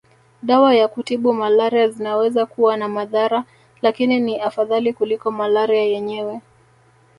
Dawa za kutibu malaria zinaweza kuwa na madhara lakini ni afadhali kuliko malaria yenyewe